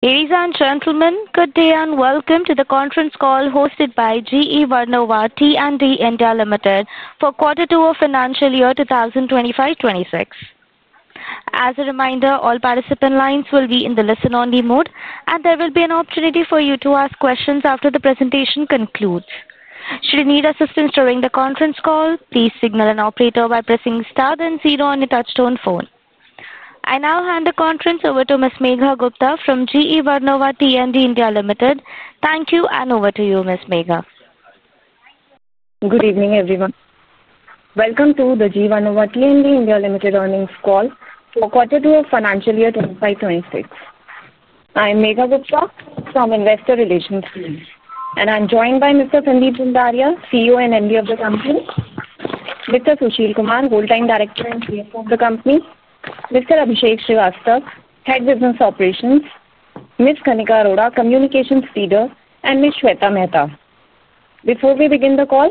Ladies and gentlemen, good day and welcome to the conference call hosted by GE Vernova T&D India Limited for Q2 of financial year 2025-2026. As a reminder, all participant lines will be in the listen-only mode, and there will be an opportunity for you to ask questions after the presentation concludes. Should you need assistance during the conference call, please signal an operator by pressing star then zero on your touchtone phone. I now hand the conference over to Ms. Megha Gupta from GE Vernova T&D India Limited. Thank you, and over to you, Ms. Megha. Good evening, everyone. Welcome to the GE Vernova T&D India Limited earnings call for Q2 of financial year 2025-2026. I am Megha Gupta from Investor Relations team, and I am joined by Mr. Sandeep Zanzaria, CEO and MD of the company, Mr. Sushil Kumar, Whole-time Director and CFO of the company, Mr. Abhishek Shivasta, Head Business Operations, Ms. Kanika Arora, Communications Leader, and Ms. Shweta Mehta. Before we begin the call,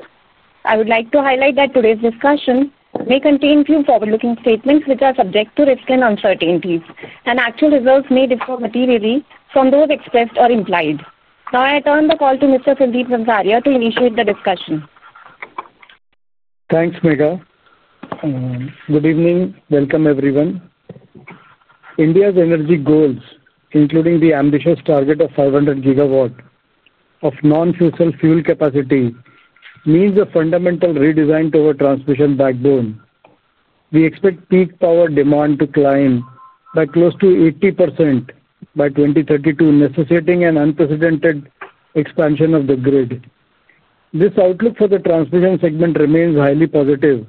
I would like to highlight that today's discussion may contain a few forward-looking statements which are subject to risk and uncertainties, and actual results may differ materially from those expressed or implied. Now I turn the call to Mr. Sandeep Zanzaria to initiate the discussion. Thanks, Megha. Good evening. Welcome, everyone. India's energy goals, including the ambitious target of 500 GW of non-fossil fuel capacity, mean a fundamental redesign to our transmission backbone. We expect peak power demand to climb by close to 80% by 2032, necessitating an unprecedented expansion of the grid. This outlook for the transmission segment remains highly positive,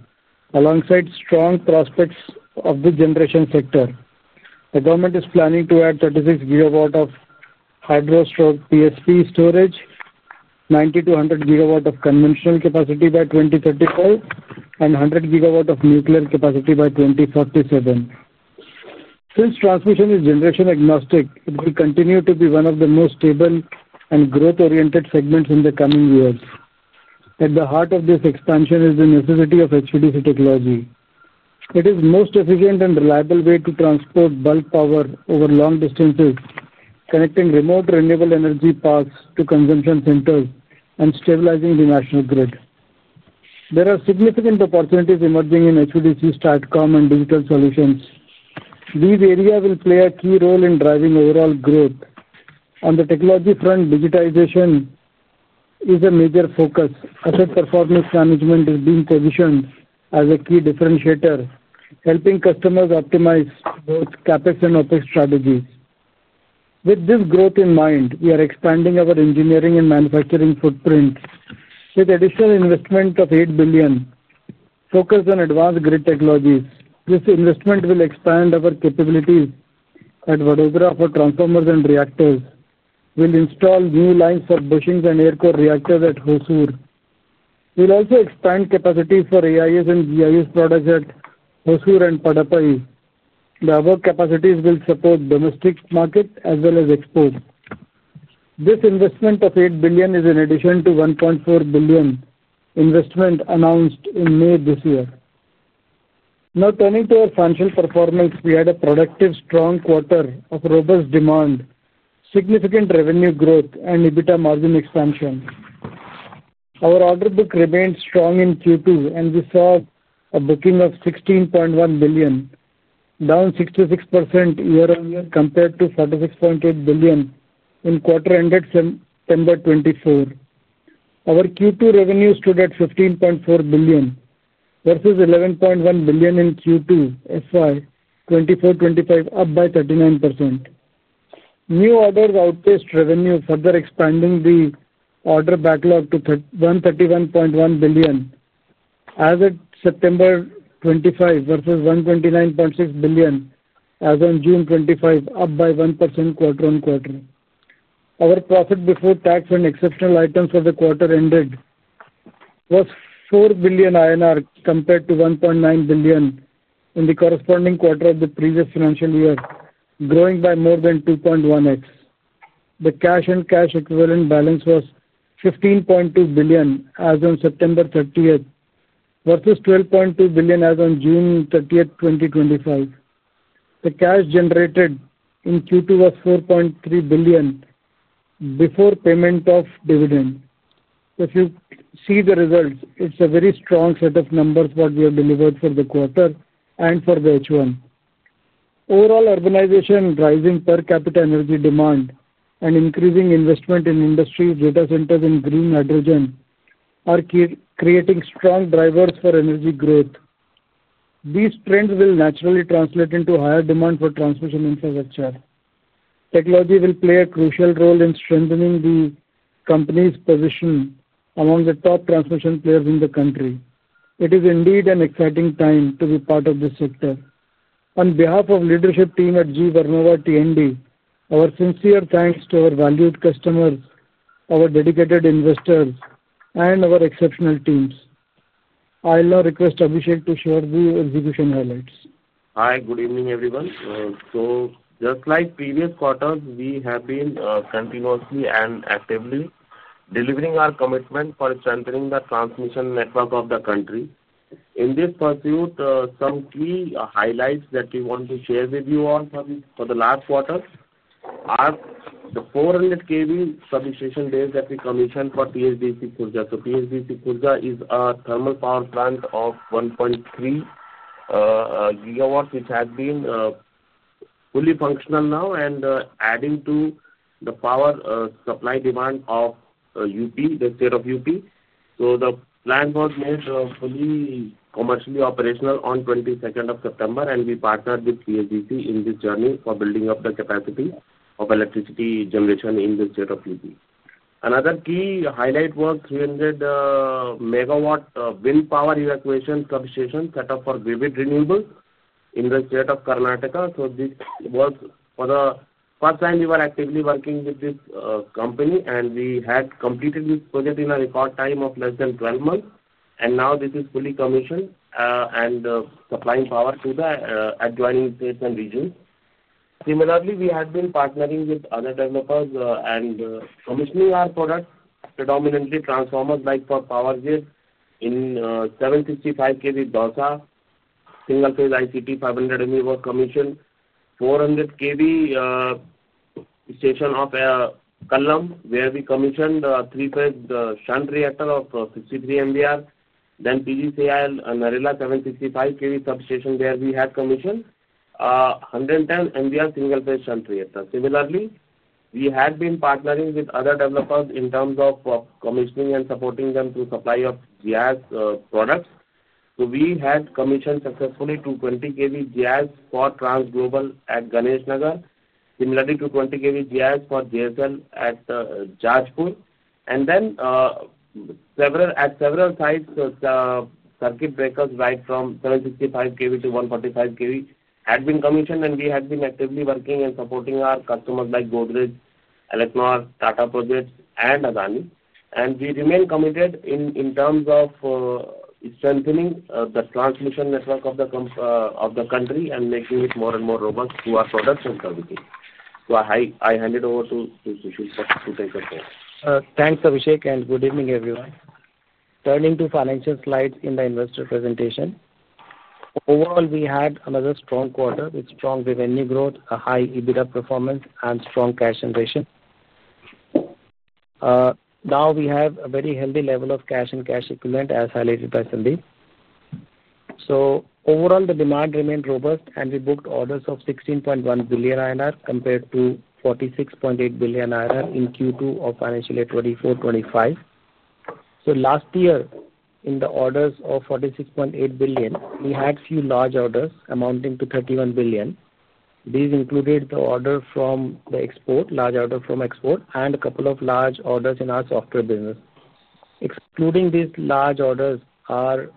alongside strong prospects of the generation sector. The government is planning to add 36 GW of hydrostroke PSP storage, 90 GW-100 GW of conventional capacity by 2035, and 100 GW of nuclear capacity by 2047. Since transmission is generation-agnostic, it will continue to be one of the most stable and growth-oriented segments in the coming years. At the heart of this expansion is the necessity of HVDC technology. It is the most efficient and reliable way to transport bulk power over long distances, connecting remote renewable energy paths to consumption centers and stabilizing the national grid. There are significant opportunities emerging in HVDC, STATCOM, and digital solutions. These areas will play a key role in driving overall growth. On the technology front, digitization is a major focus, as performance management is being positioned as a key differentiator, helping customers optimize both CapEx and OpEx strategies. With this growth in mind, we are expanding our engineering and manufacturing footprint with additional investment of 8 billion, focused on advanced grid technologies. This investment will expand our capabilities at Vadodara for transformers and reactors. We will install new lines for bushings and air-core reactors at Hosur. We will also expand capacity for AIS and GIS products at Hosur and Padappai. The above capacities will support domestic market as well as exports. This investment of 8 billion is in addition to the 1.4 billion investment announced in May this year. Now turning to our financial performance, we had a productive, strong quarter of robust demand, significant revenue growth, and EBITDA margin expansion. Our order book remained strong in Q2, and we saw a booking of 16.1 billion, down 66% year-on-year compared to 46.8 billion in Q2 ended September 2024. Our Q2 revenue stood at 15.4 billion versus 11.1 billion in Q2, FY 2024-2025, up by 39%. New orders outpaced revenue, further expanding the order backlog to 131.1 billion as of September 2025 versus 129.6 billion as of June 2025, up by 1% quarter-on-quarter. Our profit before tax and exceptional items for the quarter ended was 4 billion INR compared to 1.9 billion in the corresponding quarter of the previous financial year, growing by more than 2.1x. The cash and cash equivalent balance was 15.2 billion as of September 30 versus 12.2 billion as of June 30, 2025. The cash generated in Q2 was 4.3 billion before payment of dividend. If you see the results, it's a very strong set of numbers what we have delivered for the quarter and for the H1. Overall, urbanization, rising per capita energy demand, and increasing investment in industries, data centers, and green hydrogen are creating strong drivers for energy growth. These trends will naturally translate into higher demand for transmission infrastructure. Technology will play a crucial role in strengthening the company's position among the top transmission players in the country. It is indeed an exciting time to be part of this sector. On behalf of the leadership team at GE Vernova T&D, our sincere thanks to our valued customers, our dedicated investors, and our exceptional teams. I'll now request Abhishek to share the execution highlights. Hi, good evening, everyone. Just like previous quarters, we have been continuously and actively delivering our commitment for strengthening the transmission network of the country. In this pursuit, some key highlights that we want to share with you all for the last quarter are the 400 kV substation days that we commissioned for T&D Sikurja. T&D Sikurja is a thermal power plant of 1.3 GW, which has been fully functional now and adding to the power supply demand of the state of UP. The plant was made fully commercially operational on the 22nd of September, and we partnered with T&D Sikurja in this journey for building up the capacity of electricity generation in the state of UP. Another key highlight was a 300 MW wind power evacuation substation set up for Vivid Renewables in the state of Karnataka. This was the first time we were actively working with this company, and we had completed this project in a record time of less than 12 months. Now this is fully commissioned and supplying power to the adjoining states and regions. Similarly, we have been partnering with other developers and commissioning our products, predominantly transformers, like for Power Grid in 765 kV Dosa, single-phase ICT 500 MV commissioned, 400 kV station of Kallam, where we commissioned a three-phase shunt reactor of 63 MVAR. of India Narela 765 kV substation, where we had commissioned a 110 MVAR single-phase shunt reactor. Similarly, we had been partnering with other developers in terms of commissioning and supporting them through the supply of GIS products. We had commissioned successfully 220 kV GIS for Transglobal at Ganesh Nagar, similarly 220 kV GIS for Jindal Stainless Limited at Jajpur. At several sites, circuit breakers right from 765 kV to 145 kV had been commissioned, and we had been actively working and supporting our customers like Godrej, Elecnor, Tata Projects, and Adani. We remain committed in terms of strengthening the transmission network of the country and making it more and more robust through our products and services. I hand it over to Sushil Kumar to take the floor. Thanks, Abhishek, and good evening, everyone. Turning to financial slides in the investor presentation. Overall, we had another strong quarter with strong revenue growth, a high EBITDA performance, and strong cash generation. Now we have a very healthy level of cash and cash equivalent, as highlighted by Sandeep. Overall, the demand remained robust, and we booked orders of 16.1 billion INR compared to 46.8 billion INR in Q2 of financial year 2024-2025. Last year, in the orders of 46.8 billion, we had a few large orders amounting to 31 billion. These included the order from the export, large order from export, and a couple of large orders in our software business. Excluding these large orders, our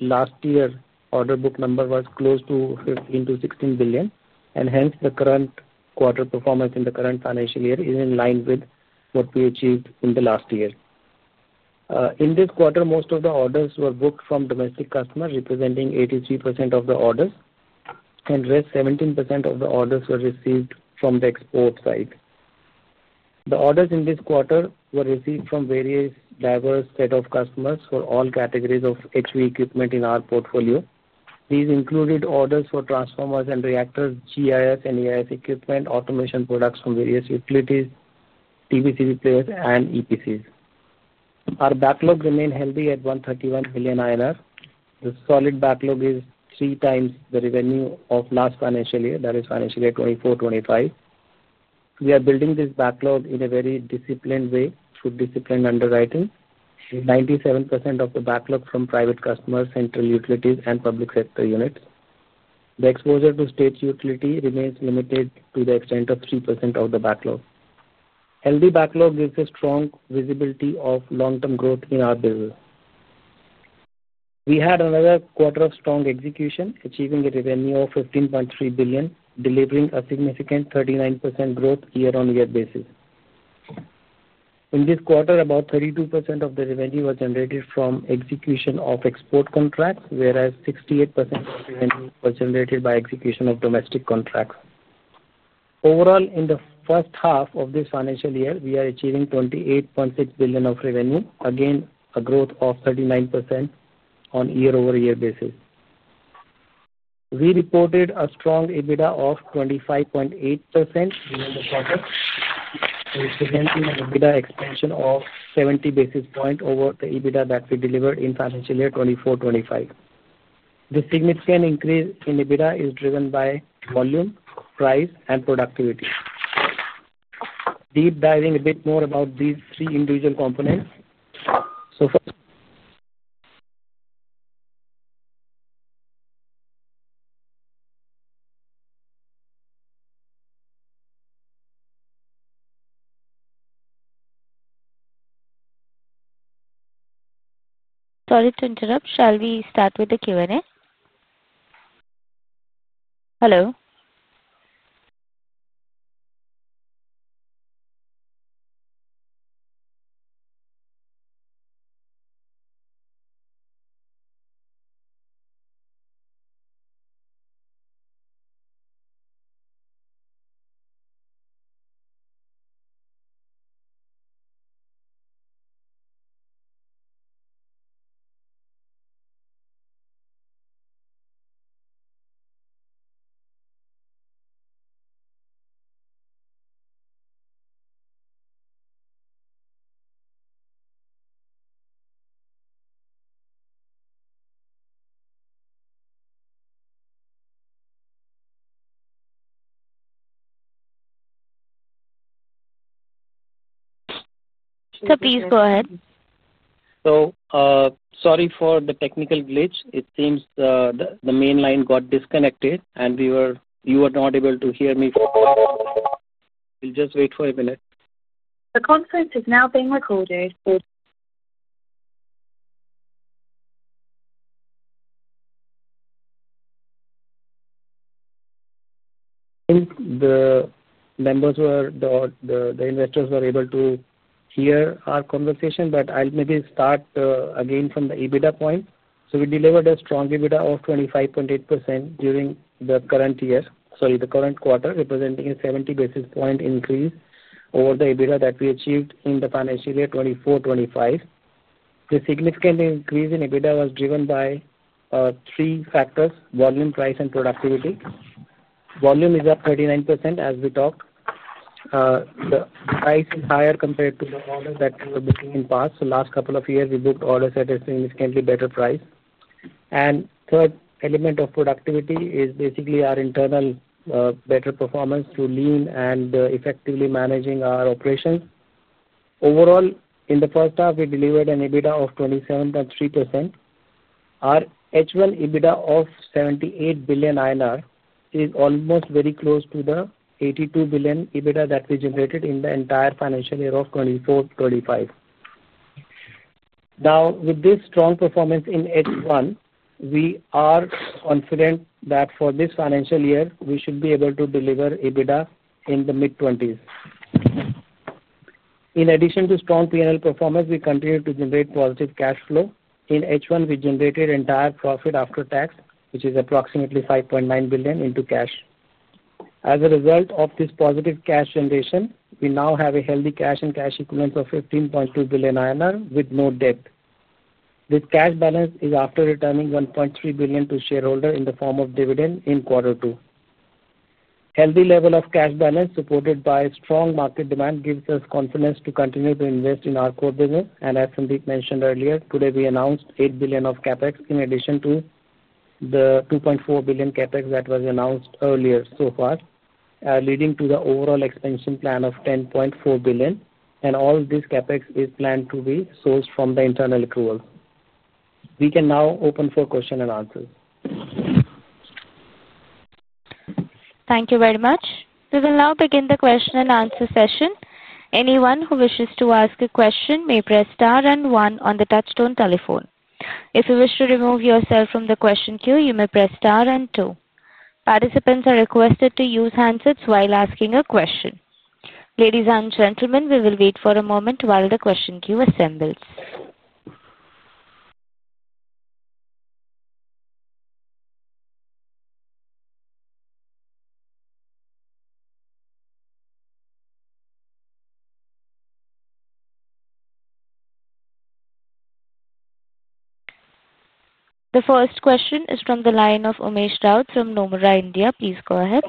last year's order book number was close to 15 billion-16 billion, and hence the current quarter performance in the current financial year is in line with what we achieved in the last year. In this quarter, most of the orders were booked from domestic customers, representing 83% of the orders, and 17% of the orders were received from the export side. The orders in this quarter were received from various diverse sets of customers for all categories of HV equipment in our portfolio. These included orders for transformers and reactors, GIS and EIS equipment, automation products from various utilities, TVCV players, and EPCs. Our backlog remained healthy at 131 billion INR. The solid backlog is three times the revenue of last financial year, that is financial year 2024-2025. We are building this backlog in a very disciplined way through disciplined underwriting. 97% of the backlog is from private customers, central utilities, and public sector units. The exposure to state utility remains limited to the extent of 3% of the backlog. Healthy backlog gives a strong visibility of long-term growth in our business. We had another quarter of strong execution, achieving a revenue of 15.3 billion, delivering a significant 39% growth year-on-year basis. In this quarter, about 32% of the revenue was generated from execution of export contracts, whereas 68% of revenue was generated by execution of domestic contracts. Overall, in the first half of this financial year, we are achieving 28.6 billion of revenue, again a growth of 39% on year-over-year basis. We reported a strong EBITDA of 25.8% during the quarter, representing an EBITDA expansion of 70 basis points over the EBITDA that we delivered in financial year 2024-2025. This significant increase in EBITDA is driven by volume, price, and productivity. Deep diving a bit more about these three individual components. So first. Sorry to interrupt. Shall we start with the Q&A? Hello. Please go ahead. Sorry for the technical glitch. It seems the main line got disconnected, and you were not able to hear me. We'll just wait for a minute. The conference is now being recorded. I think the members were, the investors were able to hear our conversation, but I'll maybe start again from the EBITDA point. So we delivered a strong EBITDA of 25.8% during the current year, sorry, the current quarter, representing a 70 basis point increase over the EBITDA that we achieved in the financial year 2024-2025. The significant increase in EBITDA was driven by three factors: volume, price, and productivity. Volume is up 39% as we talked. The price is higher compared to the orders that we were booking in the past. The last couple of years, we booked orders at a significantly better price. The third element of productivity is basically our internal better performance through lean and effectively managing our operations. Overall, in the first half, we delivered an EBITDA of 27.3%. Our H1 EBITDA of 7.8 billion INR is almost very close to the 8.2 billion EBITDA that we generated in the entire financial year of 2024-2025. Now, with this strong performance in H1, we are confident that for this financial year, we should be able to deliver EBITDA in the mid-20s. In addition to strong P&L performance, we continue to generate positive cash flow. In H1, we generated entire profit after tax, which is approximately 5.9 billion, into cash. As a result of this positive cash generation, we now have a healthy cash and cash equivalent of 15.2 billion INR with no debt. This cash balance is after returning 1.3 billion to shareholders in the form of dividend in quarter two. A healthy level of cash balance supported by strong market demand gives us confidence to continue to invest in our core business. As Sandeep mentioned earlier, today we announced 8 billion of CapEx in addition to the 2.4 billion CapEx that was announced earlier so far, leading to the overall expansion plan of 10.4 billion. All this CapEx is planned to be sourced from the internal accrual. We can now open for questions and answers. Thank you very much. We will now begin the question and answer session. Anyone who wishes to ask a question may press star and one on the touchstone telephone. If you wish to remove yourself from the question queue, you may press star and two. Participants are requested to use handsets while asking a question. Ladies and gentlemen, we will wait for a moment while the question queue assembles. The first question is from the line of Umesh Raut from Nomura, India. Please go ahead.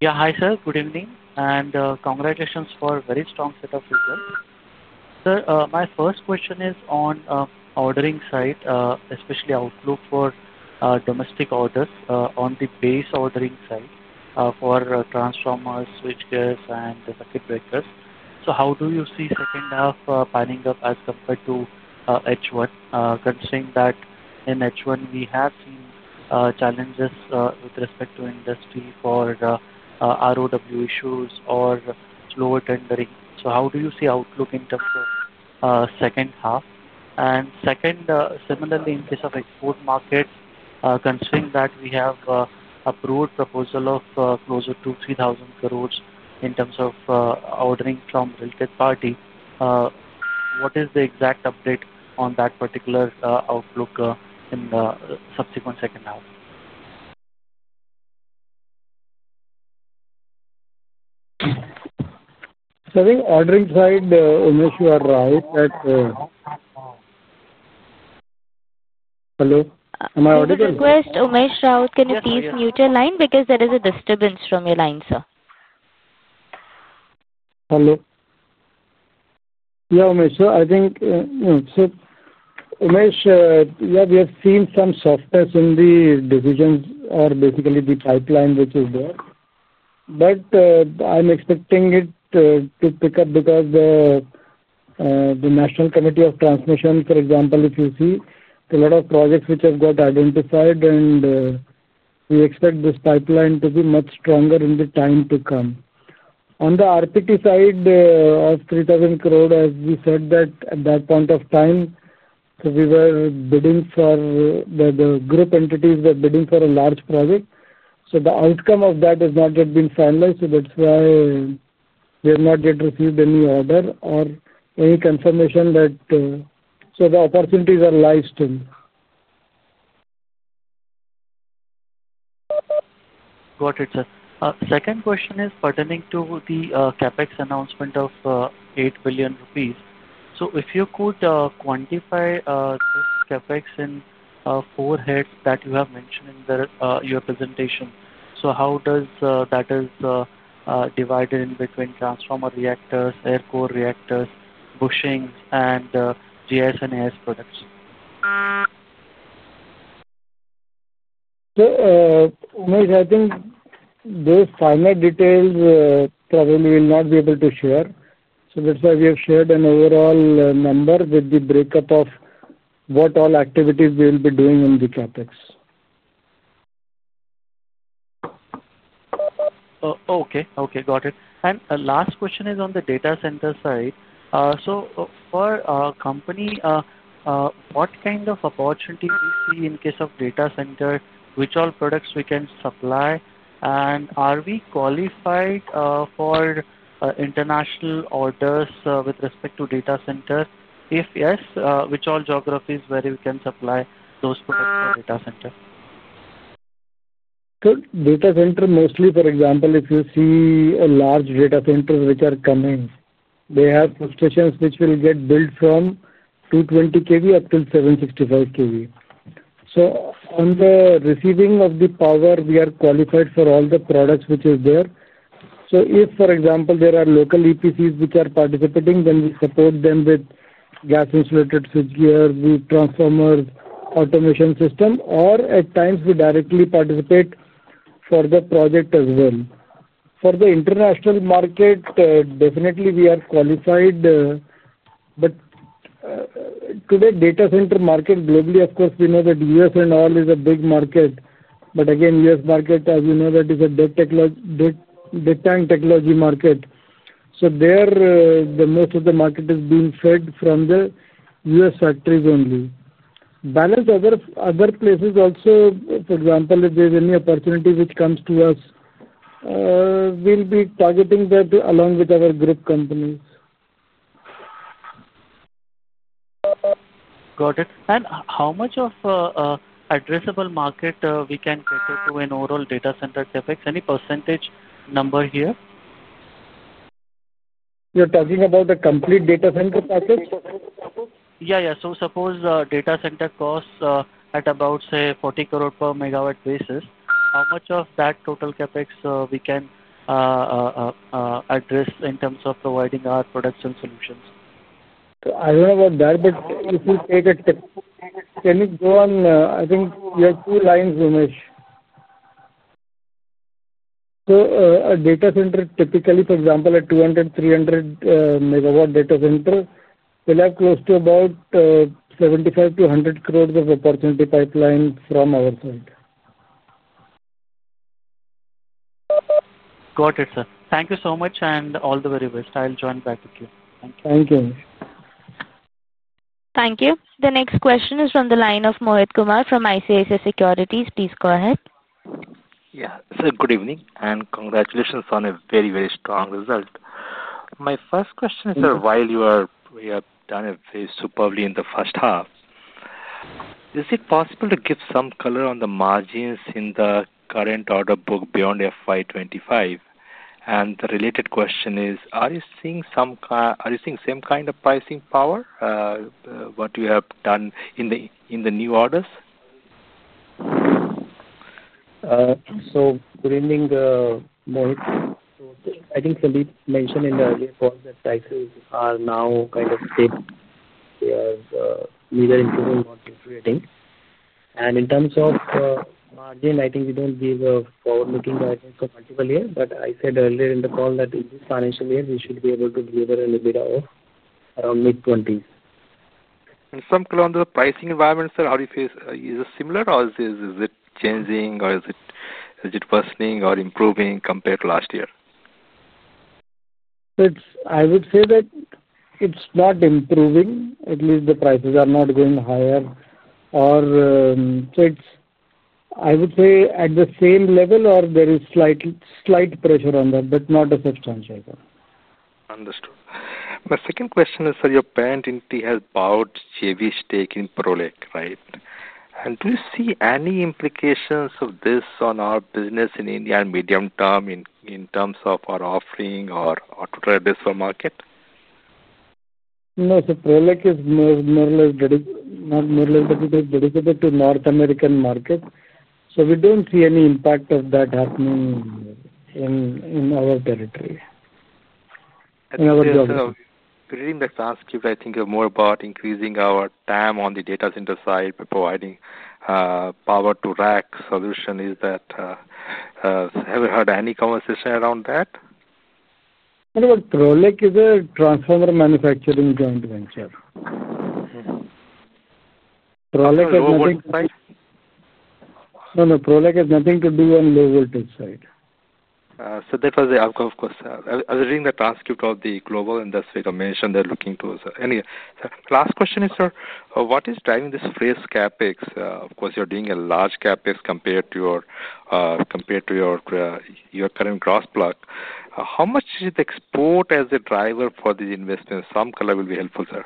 Yeah, hi sir. Good evening and congratulations for a very strong set of results. Sir, my first question is on the ordering side, especially outlook for domestic orders on the base ordering side for transformers, switchgears, and circuit breakers. How do you see the second half panning up as compared to H1, considering that in H1 we have seen challenges with respect to industry four, ROW issues or slower tendering? How do you see the outlook in terms of the second half? Second, similarly in the case of export markets, considering that we have a broad proposal of closer to 3,000 crore in terms of ordering from the related party, what is the exact update on that particular outlook in the subsequent second half? I think on the ordering side, Umesh, you are right that. Hello? Am I audible? We request Umesh Rao, can you please mute your line because there is a disturbance from your line, sir? Hello. Yeah, Umesh, so I think. Umesh, yeah, we have seen some softness in the decisions or basically the pipeline which is there. I'm expecting it to pick up because the National Committee of Transmission, for example, if you see a lot of projects which have got identified. We expect this pipeline to be much stronger in the time to come. On the RPT side of 3,000 crore, as we said that at that point of time, we were bidding for the group entities were bidding for a large project. The outcome of that has not yet been finalized, so that's why we have not yet received any order or any confirmation. The opportunities are livestreamed. Got it, sir. Second question is pertaining to the CapEx announcement of 8 billion rupees. If you could quantify CapEx in four heads that you have mentioned in your presentation. How does that divide in between transformer reactors, air core reactors, bushings, and GIS and AIS products? I think. Those finer details we will not be able to share. That's why we have shared an overall number with the breakup of what all activities we will be doing in the CapEx. Okay, okay, got it. The last question is on the data center side. For our company, what kind of opportunity do you see in the case of data center? Which all products can we supply? Are we qualified for international orders with respect to data centers? If yes, which all geographies where we can supply those products for data centers? Data center mostly, for example, if you see large data centers which are coming, they have substations which will get built from 220 kV up to 765 kV. On the receiving of the power, we are qualified for all the products which are there. If, for example, there are local EPCs which are participating, then we support them with gas-insulated switchgears, with transformers, automation system, or at times we directly participate for the project as well. For the international market, definitely we are qualified. Today, data center market globally, of course, we know that US and all is a big market. Again, US market, as you know, that is a big tech technology market. There, most of the market is being fed from the US factories only. Balance other places also, for example, if there's any opportunity which comes to us, we'll be targeting that along with our group companies. Got it. How much of the addressable market can we get into in overall data center CapEx? Any percentage number here? You're talking about the complete data center package? Yeah, yeah. Suppose data center costs at about, say, 40 crore per megawatt basis. How much of that total CapEx we can address in terms of providing our production solutions? I don't know about that, but if you take a—can you go on? I think you have two lines, Umesh. A data center typically, for example, a 200 MW, 300 MW data center will have close to about 75 crore-100 crore of opportunity pipeline from our side. Got it, sir. Thank you so much and all the very best. I'll join back with you. Thank you. Thank you. Thank you. The next question is from the line of Mohit Kumar from ICICI Securities. Please go ahead. Yeah, sir, good evening and congratulations on a very, very strong result. My first question is, sir, while you have done very superbly in the first half. Is it possible to give some color on the margins in the current order book beyond FY 2025? And the related question is, are you seeing some—are you seeing same kind of pricing power, what you have done in the new orders? Good evening, Mohit. I think Sandeep mentioned in the earlier call that prices are now kind of stable. We are neither improving nor deteriorating. In terms of margin, I think we do not give a forward-looking guidance for multiple years. I said earlier in the call that in this financial year, we should be able to deliver an EBITDA of around mid-20s. Some call on the pricing environment, sir, are you facing—is it similar or is it changing or is it worsening or improving compared to last year? I would say that it's not improving. At least the prices are not going higher. I would say at the same level or there is slight pressure on that, but not a substantial one. Understood. My second question is, sir, your parent entity has bought JV stake in Prolek, right? Do you see any implications of this on our business in India and medium term in terms of our offering or to try this for market? No, sir. Prolek is more or less dedicated to North American market. So we don't see any impact of that happening in our territory. At the end of reading the transcript, I think more about increasing our time on the data center side by providing power-to-rack solution. Have you heard any conversation around that? No, but Prolek is a transformer manufacturing joint venture. Prolek has nothing— No, no, Prolek has nothing to do on low-voltage side. That was the outcome, of course. I was reading the transcript of the global industry. I mentioned they're looking towards—anyway, sir. Last question is, sir, what is driving this phrase CapEx? Of course, you're doing a large CapEx compared to your current gross plug. How much is the export as a driver for the investment? Some color will be helpful, sir.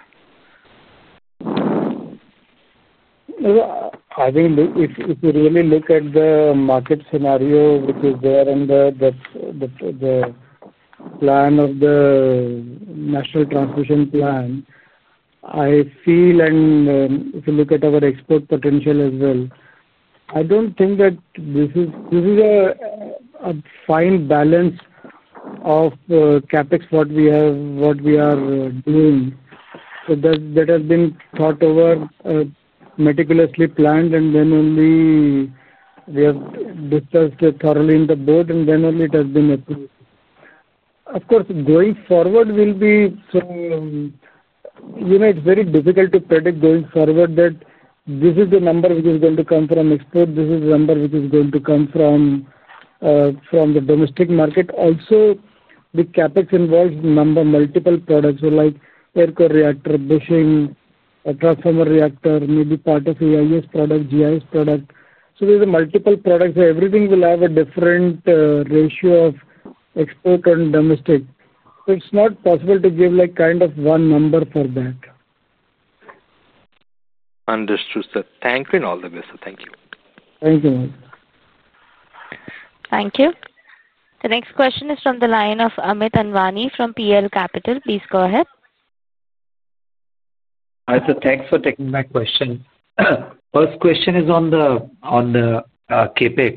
I think if we really look at the market scenario which is there and the plan of the national transmission plan, I feel, and if you look at our export potential as well, I do not think that this is a fine balance of CapEx, what we are doing. That has been thought over, meticulously planned, and then only we have discussed thoroughly in the board, and then only it has been approved. Of course, going forward, you know, it is very difficult to predict going forward that this is the number which is going to come from export, this is the number which is going to come from the domestic market. Also, the CapEx involves multiple products, like air core reactor, bushing, a transformer reactor, maybe part of AIS product, GIS product. There are multiple products. Everything will have a different ratio of export and domestic, so it is not possible to give kind of one number for that. Understood, sir. Thank you in all the ways, sir. Thank you. Thank you. Thank you. The next question is from the line of Amit Anwani from PL Capital. Please go ahead. Hi, sir. Thanks for taking my question. First question is on the CapEx.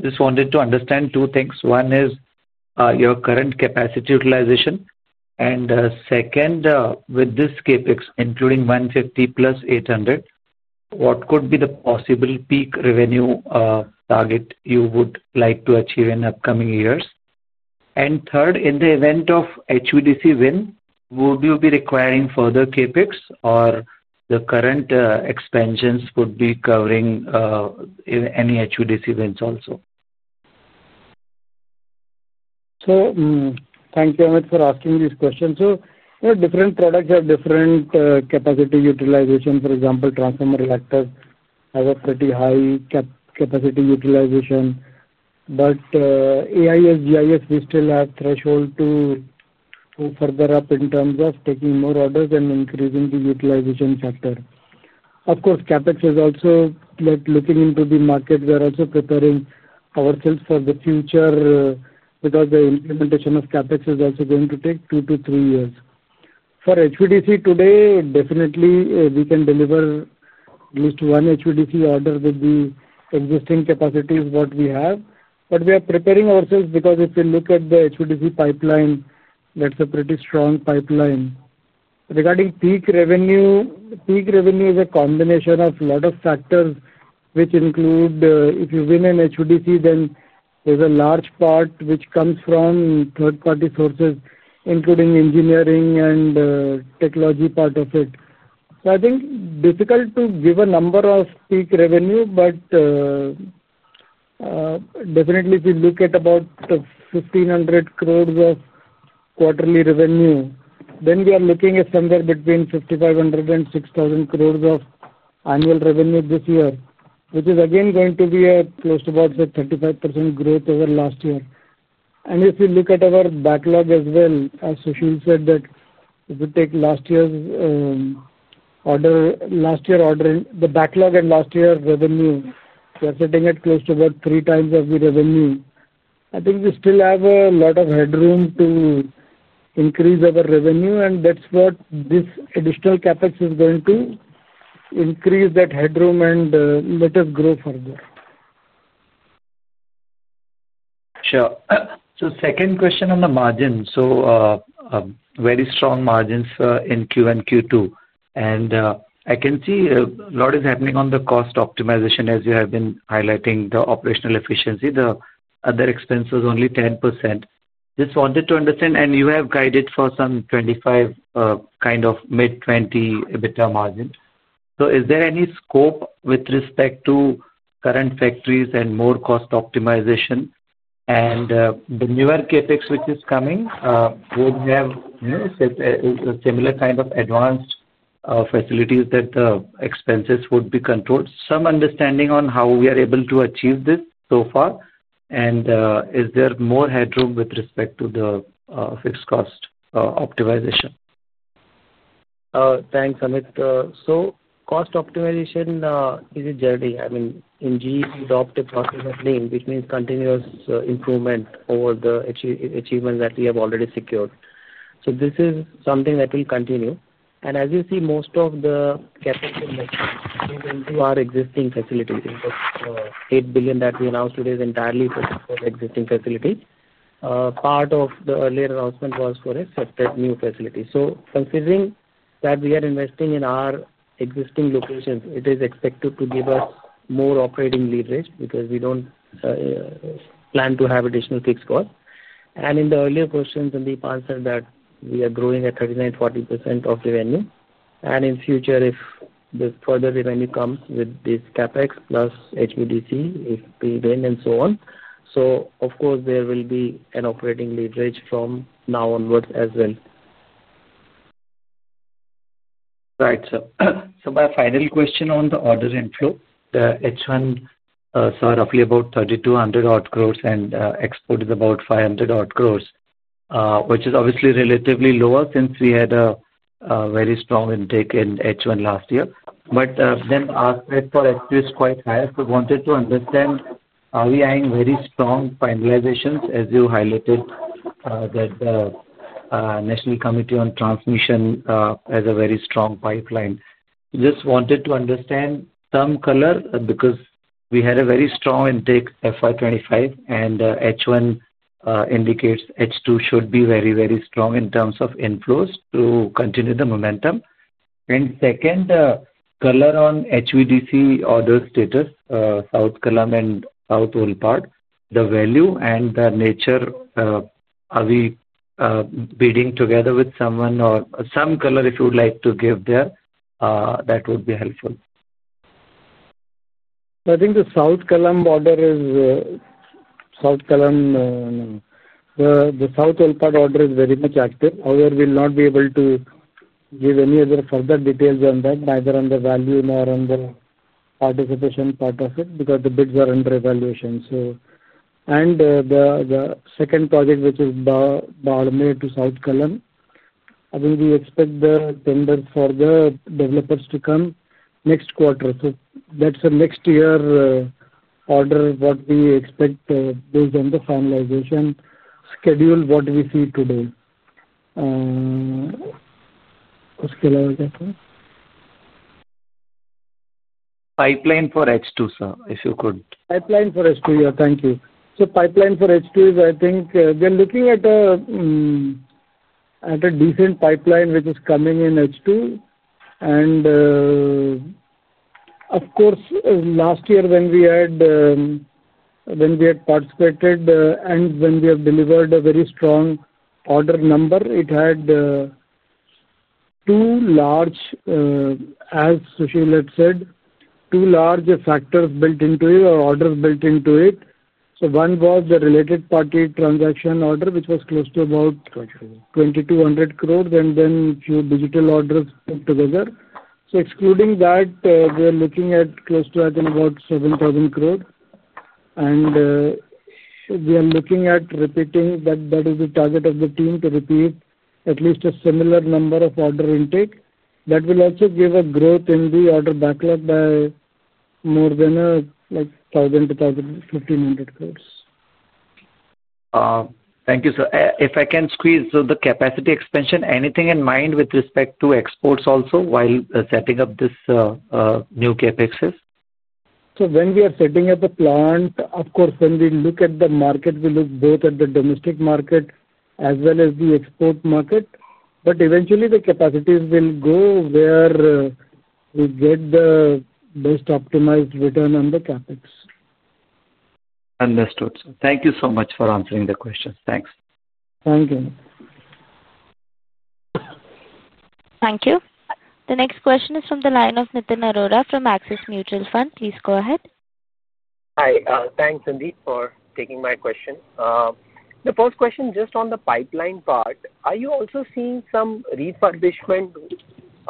Just wanted to understand two things. One is your current capacity utilization. Second, with this CapEx, including 150+ million, 800 million, what could be the possible peak revenue target you would like to achieve in upcoming years? Third, in the event of HVDC win, would you be requiring further CapEx or the current expansions would be covering any HVDC wins also? Thank you, Amit, for asking these questions. Different products have different capacity utilization. For example, transformer reactors have a pretty high capacity utilization. AIS, GIS, we still have threshold to go further up in terms of taking more orders and increasing the utilization factor. Of course, CapEx is also looking into the market. We are also preparing ourselves for the future because the implementation of CapEx is also going to take two to three years. For HVDC today, definitely we can deliver at least one HVDC order with the existing capacities we have. We are preparing ourselves because if you look at the HVDC pipeline, that's a pretty strong pipeline. Regarding peak revenue, peak revenue is a combination of a lot of factors which include, if you win an HVDC, then there's a large part which comes from third-party sources, including engineering and technology part of it. I think difficult to give a number of peak revenue, but definitely, if you look at about 1,500 crore of quarterly revenue, then we are looking at somewhere between 5,500 crore-6,000 crore of annual revenue this year, which is again going to be close to about 35% growth over last year. If you look at our backlog as well, as Sushil said, if you take last year's order—the backlog and last year revenue, we are sitting at close to about three times of the revenue. I think we still have a lot of headroom to increase our revenue, and that's what this additional CapEx is going to increase, that headroom and let us grow further. Sure. Second question on the margin. Very strong margins in Q1, Q2. I can see a lot is happening on the cost optimization, as you have been highlighting the operational efficiency. The other expense was only 10%. Just wanted to understand, and you have guided for some 25 kind of mid-20% EBITDA margin. Is there any scope with respect to current factories and more cost optimization? The newer CapEx which is coming would have a similar kind of advanced facilities that the expenses would be controlled. Some understanding on how we are able to achieve this so far? Is there more headroom with respect to the fixed cost optimization? Thanks, Amit. Cost optimization is a journey. I mean, in GE, we adopted process at lean, which means continuous improvement over the achievement that we have already secured. This is something that will continue. As you see, most of the CapEx investment is into our existing facilities. The 8 billion that we announced today is entirely for the existing facility. Part of the earlier announcement was for a separate new facility. Considering that we are investing in our existing locations, it is expected to give us more operating leverage because we do not plan to have additional fixed costs. In the earlier questions, Sandeep answered that we are growing at 39%-40% of revenue. In future, if this further revenue comes with this CapEx plus HVDC, if we win and so on, of course, there will be an operating leverage from now onwards as well. Right. My final question on the order inflow. H1 saw roughly about 3,200 crore and exported about 500 crore, which is obviously relatively lower since we had a very strong intake in H1 last year. As for HQ, it is quite high. I wanted to understand, are we eyeing very strong finalizations, as you highlighted, that National Committee on Transmission has a very strong pipeline? I just wanted to understand some color because we had a very strong intake, FY 2025, and H1 indicates H2 should be very, very strong in terms of inflows to continue the momentum. Second, color on HVDC order status, South Kalam and Uhlpath, the value and the nature. Are we bidding together with someone or some color if you would like to give there, that would be helpful. I think the South Kalam order is, South Kalam, the South Uhlpath order is very much active. However, we will not be able to give any other further details on that, neither on the value nor on the participation part of it because the bids are under evaluation. The second project, which is Balme to South Kalam, I think we expect the tenders for the developers to come next quarter. That is the next year order, what we expect based on the finalization schedule what we see today. Pipeline for H2, sir, if you could. Pipeline for H2, yeah. Thank you. Pipeline for H2 is, I think we are looking at a decent pipeline which is coming in H2. Of course, last year when we had participated and when we have delivered a very strong order number, it had two large, as Sushil had said, two large factors built into it or orders built into it. One was the related party transaction order, which was close to about 2,200 crore. Then a few digital orders put together. Excluding that, we are looking at close to about 7,000 crore. We are looking at repeating that. That is the target of the team, to repeat at least a similar number of order intake. That will also give a growth in the order backlog by more than 1,000 crore-1,500 crore. Thank you, sir. If I can squeeze the capacity expansion, anything in mind with respect to exports also while setting up this new CapEx? When we are sitting at the plant, of course, when we look at the market, we look both at the domestic market as well as the export market. Eventually, the capacities will go where we get the most optimized return on the CapEx. Understood, sir. Thank you so much for answering the questions. Thanks. Thank you. Thank you. The next question is from the line of Nitin Arora from Axis Mutual Fund. Please go ahead. Hi. Thanks, Sandeep, for taking my question. The first question just on the pipeline part. Are you also seeing some refurbishment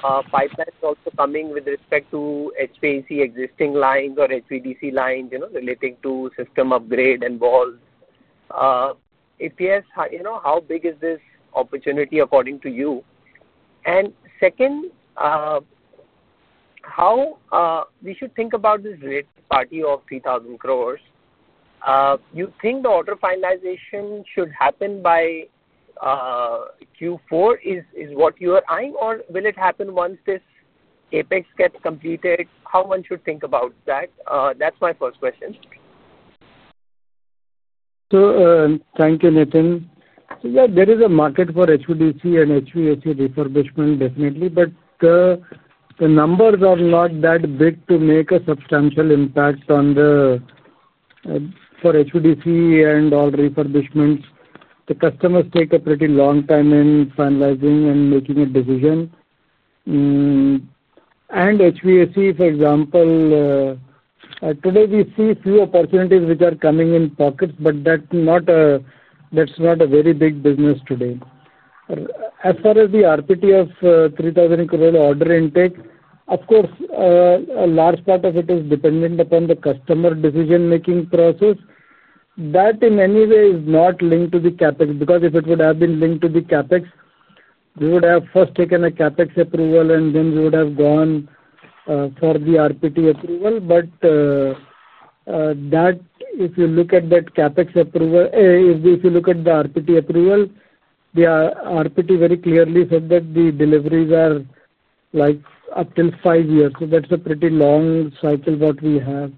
pipelines also coming with respect to HVAC existing lines or HVDC lines relating to system upgrade and walls? If yes, how big is this opportunity according to you? Second, how should we think about this related party of 3,000 crore? Do you think the order finalization should happen by Q4, is what you are eyeing, or will it happen once this CapEx gets completed? How should one think about that? That's my first question. Thank you, Nithin. There is a market for HVDC and HVAC refurbishment, definitely. The numbers are not that big to make a substantial impact. For HVDC and all refurbishments, the customers take a pretty long time in finalizing and making a decision. HVAC, for example, today, we see a few opportunities which are coming in pockets, but that's not a very big business today. As far as the RPT of 3,000 crore order intake, of course, a large part of it is dependent upon the customer decision-making process. That, in any way, is not linked to the CapEx. Because if it would have been linked to the CapEx, we would have first taken a CapEx approval, and then we would have gone for the RPT approval. If you look at that CapEx approval, if you look at the RPT approval, the RPT very clearly said that the deliveries are up to five years. That's a pretty long cycle we have.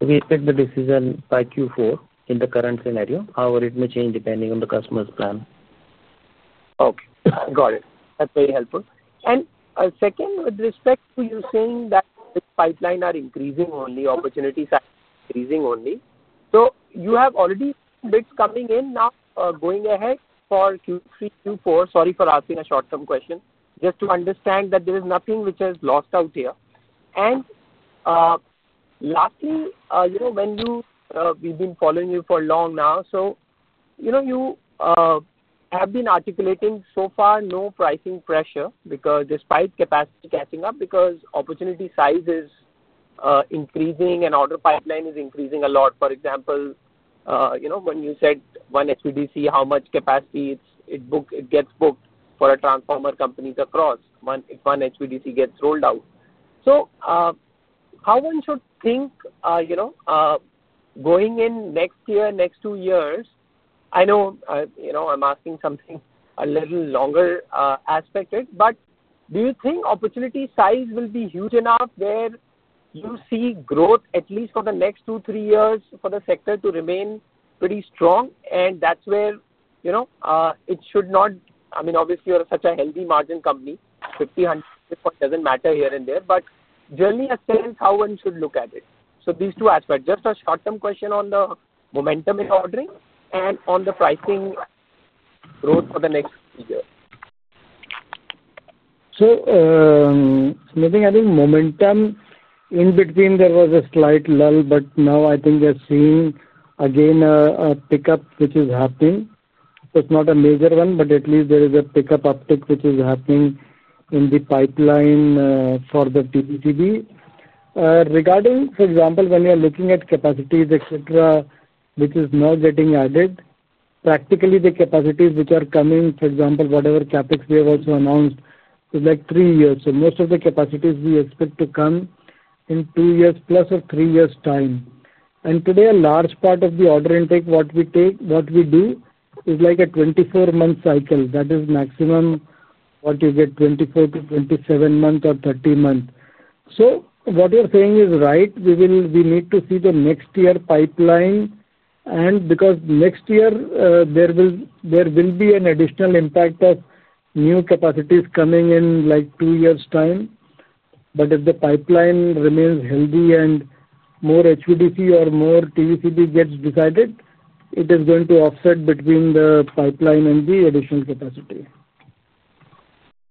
We take the decision by Q4 in the current scenario. However, it may change depending on the customer's plan. Okay. Got it. That's very helpful. Second, with respect to you saying that this pipeline is increasing only, opportunities are increasing only, so you have already bids coming in now going ahead for Q3, Q4. Sorry for asking a short-term question. Just to understand that there is nothing which has lost out here. Lastly, we've been following you for long now, so you have been articulating so far no pricing pressure because despite capacity catching up, opportunity size is increasing and order pipeline is increasing a lot. For example, when you said one HVDC, how much capacity gets booked for a transformer company across if one HVDC gets rolled out. How should one think going in next year, next two years? I know I'm asking something a little longer aspected, but do you think opportunity size will be huge enough where you see growth at least for the next two, three years for the sector to remain pretty strong? That's where it should not, I mean, obviously, you're such a healthy margin company [50,000 crore] doesn't matter here and there. Journey has said how one should look at it. These two aspects, just a short-term question on the momentum in ordering and on the pricing growth for the next year. Looking at the momentum, in between, there was a slight lull, but now I think we are seeing again a pickup which is happening. It's not a major one, but at least there is a pickup, uptick which is happening in the pipeline for the TPCB. Regarding, for example, when you are looking at capacities, etc., which is now getting added, practically the capacities which are coming, for example, whatever CapEx we have also announced, is like three years. Most of the capacities we expect to come in two years plus or three years' time. Today, a large part of the order intake, what we do is like a 24-month cycle. That is maximum what you get, 24 months-27 months or 30 months. What you are saying is right. We need to see the next year pipeline. Because next year, there will be an additional impact of new capacities coming in like two years' time. If the pipeline remains healthy and more HVDC or more TPCB gets decided, it is going to offset between the pipeline and the additional capacity.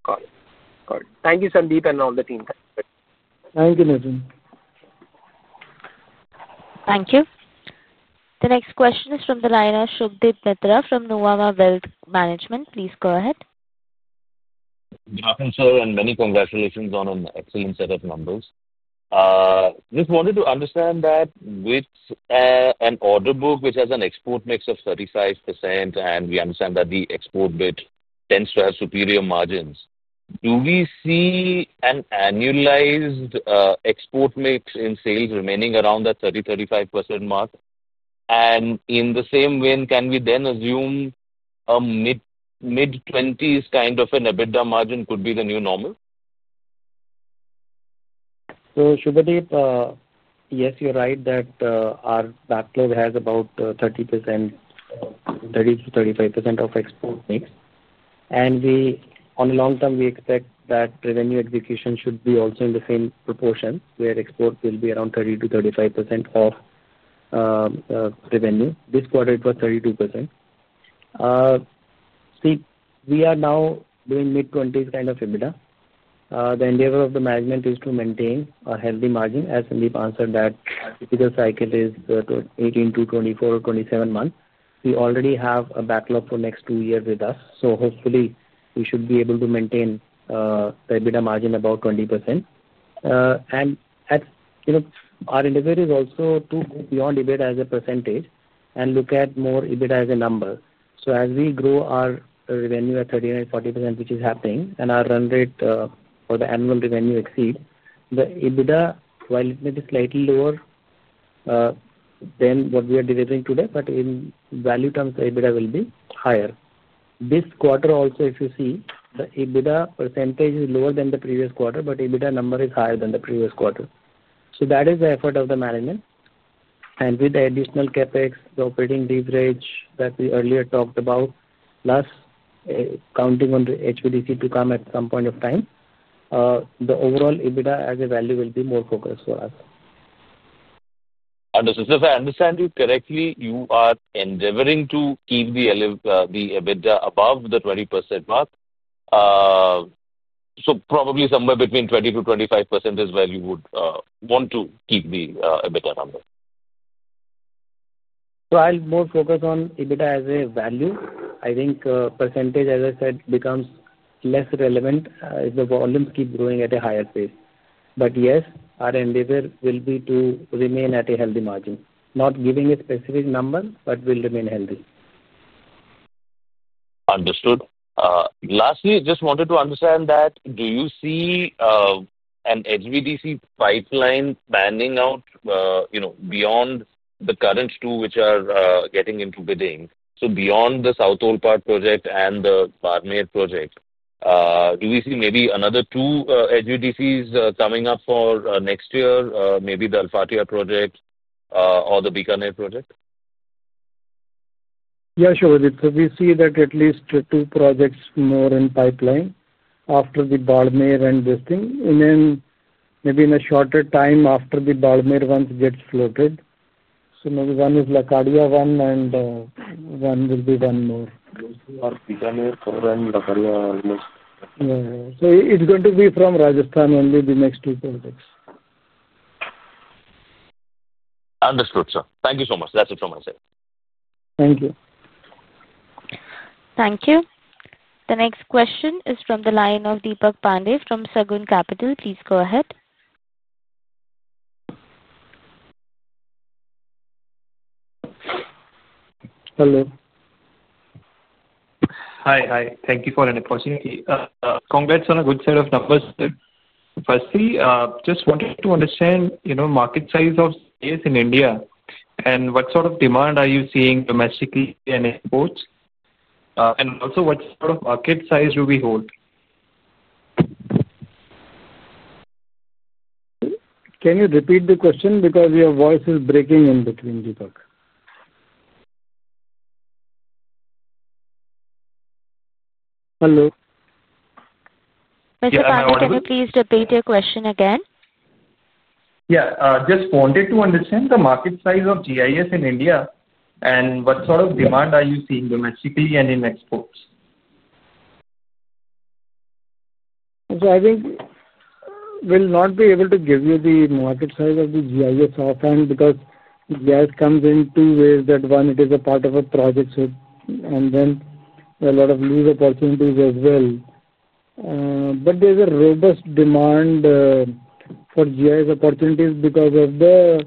Got it. Got it. Thank you, Sandeep, and all the team. Thank you, Nithin. Thank you. The next question is from the line of Shukdeep Mithra from Nueva Wealth Management. Please go ahead. Good afternoon, sir, and many congratulations on an excellent set of numbers. Just wanted to understand that with an order book which has an export mix of 35%, and we understand that the export bid tends to have superior margins, do we see an annualized export mix in sales remaining around that 30%-35% mark? In the same vein, can we then assume a mid-20s kind of an EBITDA margin could be the new normal? Shukdeep, yes, you're right that our backlog has about 30%-35% of export mix. On a long term, we expect that revenue execution should be also in the same proportion where export will be around 30%-35% of revenue. This quarter, it was 32%. See, we are now doing mid-20s kind of EBITDA. The endeavor of the management is to maintain a healthy margin. As Sandeep answered, that typical cycle is 18-24 or 27 months. We already have a backlog for the next two years with us. Hopefully, we should be able to maintain the EBITDA margin about 20%. Our endeavor is also to go beyond EBIT as a percentage and look at more EBITDA as a number. As we grow our revenue at 39%-40%, which is happening, and our run rate for the annual revenue exceeds, the EBITDA, while it may be slightly lower than what we are delivering today, but in value terms, the EBITDA will be higher. This quarter also, if you see, the EBITDA percentage is lower than the previous quarter, but EBITDA number is higher than the previous quarter. That is the effort of the management. With the additional CapEx, the operating leverage that we earlier talked about, plus counting on HVDC to come at some point of time, the overall EBITDA as a value will be more focused for us. Understood. If I understand you correctly, you are endeavoring to keep the EBITDA above the 20% mark. Probably somewhere between 20%-25% is where you would want to keep the EBITDA number. I'll more focus on EBITDA as a value. I think percentage, as I said, becomes less relevant if the volumes keep growing at a higher pace. Yes, our endeavor will be to remain at a healthy margin, not giving a specific number, but will remain healthy. Understood. Lastly, I just wanted to understand that do you see an HVDC pipeline panning out beyond the current two which are getting into bidding? Beyond the South Uhlpath project and the Balme project, do we see maybe another two HVDCs coming up for next year, maybe the Alphatia project or the Bikaner project? Yeah, sure. We see that at least two projects more in pipeline after the Balme and this thing. Maybe in a shorter time after the Balme one gets floated. Maybe one is Lakkadia one, and one will be one more. Bikaner four and Lakkadia almost. It's going to be from Rajasthan only, the next two projects. Understood, sir. Thank you so much. That's it from my side. Thank you. Thank you. The next question is from the line of Deepak Pandey from Sagun Capital. Please go ahead. Hello. Hi, hi. Thank you for an opportunity. Congrats on a good set of numbers, sir. Firstly, just wanted to understand market size of sales in India and what sort of demand are you seeing domestically and exports? Also, what sort of market size do we hold? Can you repeat the question? Because your voice is breaking in between, Deepak. Hello. Mr. Pandey, can you please repeat your question? Yeah. Just wanted to understand the market size of GIS in India and what sort of demand are you seeing domestically and in exports? I think we'll not be able to give you the market size of the GIS offhand because GIS comes in two ways. One, it is a part of a project, and then a lot of new opportunities as well. There is a robust demand for GIS opportunities because of the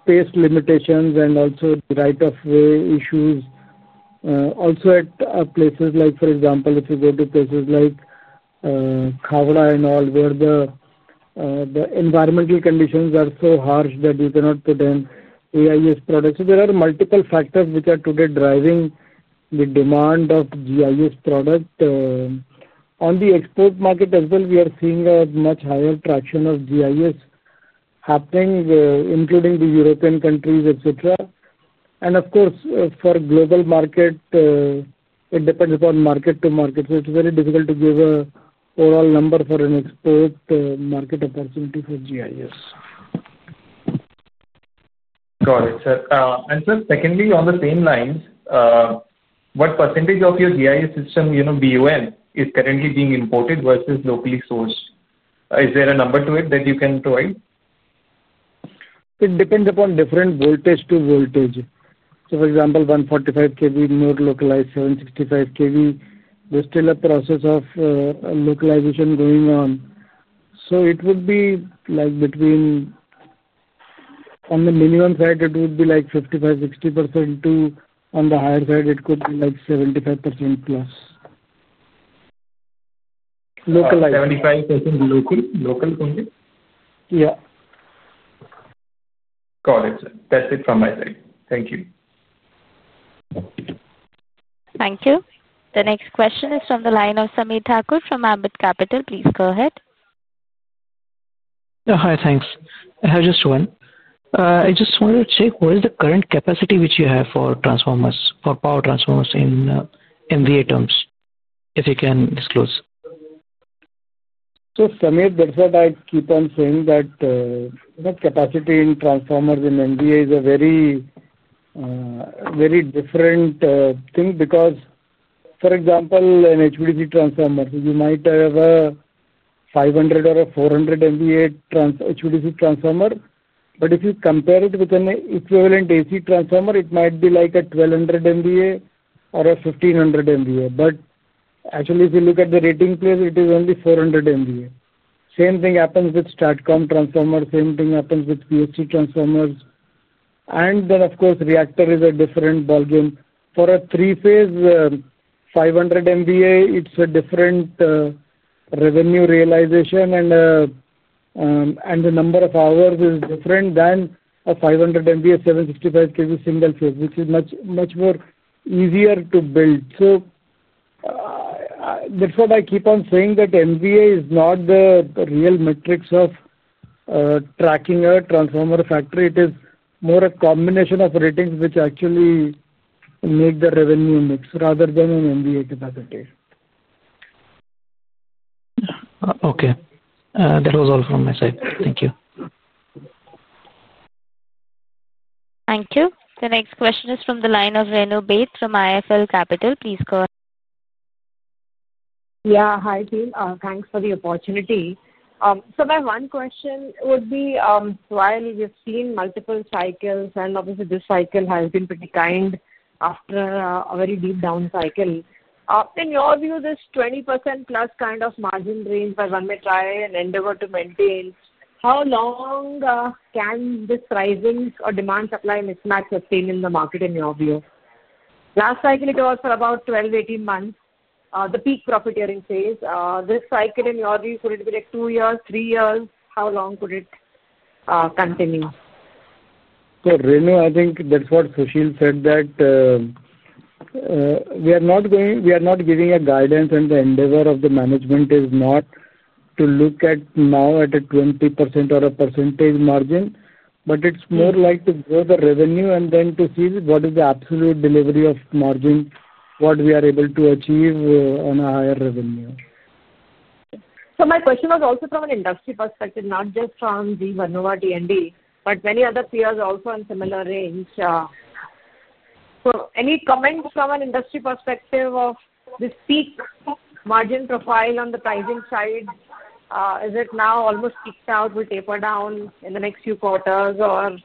space limitations and also the right-of-way issues. Also, at places like, for example, if you go to places like Khawra and all, where the environmental conditions are so harsh that you cannot put in GIS products. There are multiple factors which are today driving the demand of GIS product. On the export market as well, we are seeing a much higher traction of GIS happening, including the European countries, etc. Of course, for global market, it depends upon market to market. It is very difficult to give an overall number for an export market opportunity for GIS. Got it. And sir, secondly, on the same lines. What percentage of your GIS system, BON, is currently being imported versus locally sourced? Is there a number to it that you can provide? It depends upon different voltage to voltage. For example, 145 kV, more localized, 765 kV. There is still a process of localization going on. It would be like between, on the minimum side, it would be like 55%-60% to, on the higher side, it could be like 75% plus. Localized. 75% local? Local only? Yeah. Got it, sir. That's it from my side. Thank you. Thank you. The next question is from the line of Sameer Thakur from Ambit Capital. Please go ahead. Hi, thanks. I have just one. I just wanted to check what is the current capacity which you have for transformers, for power transformers in MVA terms, if you can disclose? Sameer, that's what I keep on saying, that capacity in transformers in MVA is a very different thing because, for example, an HVDC transformer, you might have a 500 or a 400 MVA HVDC transformer. If you compare it with an equivalent AC transformer, it might be like a 1,200 MVA or a 1,500 MVA. Actually, if you look at the rating plate, it is only 400 MVA. The same thing happens with STATCOM transformers. The same thing happens with PSC transformers. Then, of course, reactor is a different volume. For a three-phase 500 MVA, it's a different revenue realization, and the number of hours is different than a 500 MVA, 765 kV single phase, which is much more easier to build. That's what I keep on saying, that MVA is not the real metrics of tracking a transformer factory. It is more a combination of ratings which actually make the revenue mix rather than an MVA capacity. Okay. That was all from my side. Thank you. Thank you. The next question is from the line of Renu Baid from IIFL Capital. Please go ahead. Yeah, hi, team. Thanks for the opportunity. So my one question would be, while we have seen multiple cycles, and obviously, this cycle has been pretty kind after a very deep down cycle, in your view, this 20%+ kind of margin range by one metric and endeavor to maintain, how long can this rising or demand-supply mismatch sustain in the market in your view? Last cycle, it was for about 12 months-18 months, the peak profiteering phase. This cycle, in your view, could it be like two years, three years? How long could it continue? Renu, I think that's what Sushil said, that we are not giving a guidance, and the endeavor of the management is not to look at now at a 20% or a percentage margin, but it's more like to grow the revenue and then to see what is the absolute delivery of margin, what we are able to achieve on a higher revenue. My question was also from an industry perspective, not just from the Vernova T&D, but many other peers also in similar range. Any comments from an industry perspective of the peak margin profile on the pricing side? Is it now almost kicked out with taper down in the next few quarters, or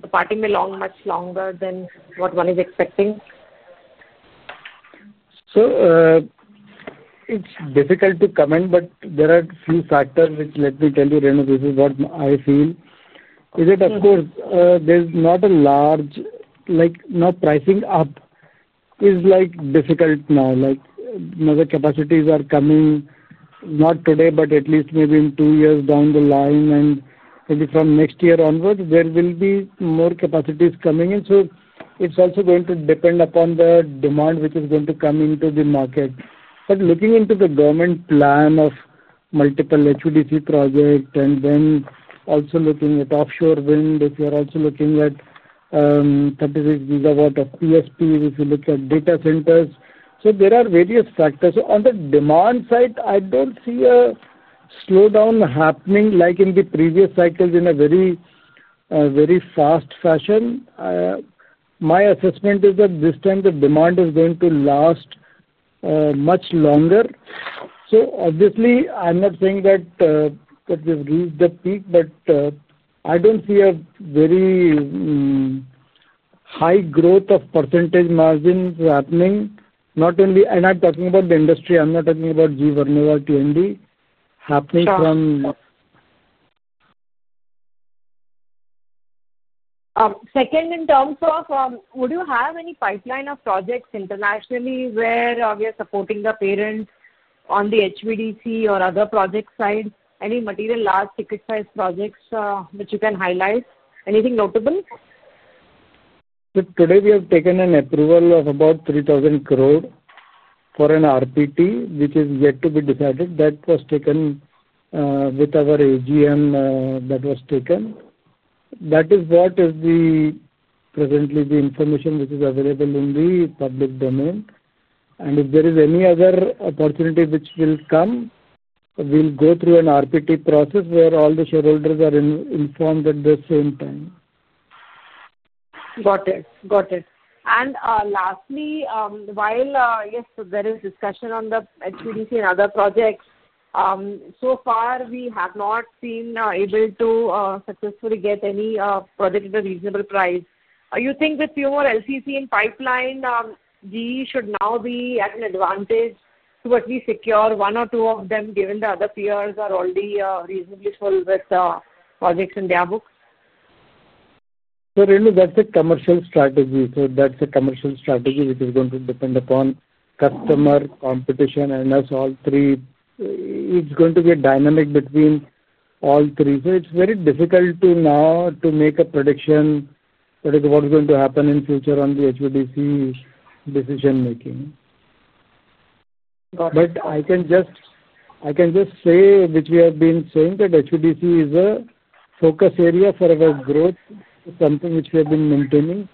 the party may long much longer than what one is expecting? It's difficult to comment, but there are a few factors which, let me tell you, Renu, this is what I feel. Is it, of course, there's not a large—now pricing up is difficult now. Another capacities are coming, not today, but at least maybe in two years down the line, and maybe from next year onward, there will be more capacities coming in. It's also going to depend upon the demand which is going to come into the market. Looking into the government plan of multiple HVDC projects, and then also looking at offshore wind, if you're also looking at 36 GW of PSP, if you look at data centers, there are various factors. On the demand side, I don't see a slowdown happening like in the previous cycles in a very fast fashion. My assessment is that this time, the demand is going to last much longer. Obviously, I'm not saying that we've reached the peak, but I don't see a very high growth of percentage margins happening. Not only, and I'm talking about the industry. I'm not talking about GE Vernova T&D happening from. Second, in terms of, would you have any pipeline of projects internationally where we are supporting the parents on the HVDC or other project side? Any material large ticket size projects which you can highlight? Anything notable? Today, we have taken an approval of about 3,000 crore for an RPT, which is yet to be decided. That was taken with our AGM. That is what is the presently the information which is available in the public domain. If there is any other opportunity which will come, we'll go through an RPT process where all the shareholders are informed at the same time. Got it. Got it. Lastly, while, yes, there is discussion on the HVDC and other projects, so far, we have not been able to successfully get any project at a reasonable price. You think with fewer LCC in pipeline, we should now be at an advantage to at least secure one or two of them, given the other peers are already reasonably full with projects in their books? That's a commercial strategy. That's a commercial strategy which is going to depend upon customer, competition, and us, all three. It's going to be a dynamic between all three. It's very difficult now to make a prediction what is going to happen in the future on the HVDC decision-making. Got it. I can just say, which we have been saying, that HVDC is a focus area for our growth, something which we have been maintaining,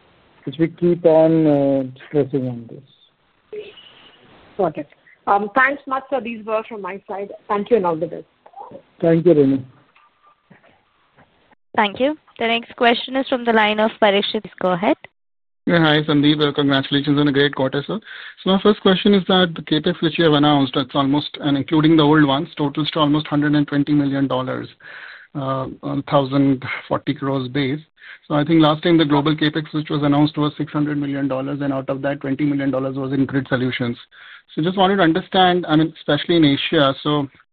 which we keep on stressing on this. Got it. Thanks much for these words from my side. Thank you and all the best. Thank you, Renu. Thank you. The next question is from the line of Parikshit. Please go ahead. Yeah, hi, Sandeep. Congratulations on a great quarter, sir. My first question is that the CapEx which you have announced, that's almost, and including the old ones, totals to almost $120 million, [1040 kW] base. I think last time, the global CapEx which was announced was $600 million, and out of that, $20 million was in grid solutions. I just wanted to understand, I mean, especially in Asia,